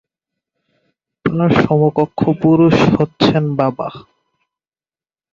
তার সমকক্ষ পুরুষ হচ্ছেন বাবা।